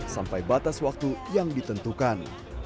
sampai batas waktu yang ditentukan